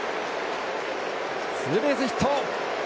ツーベースヒット。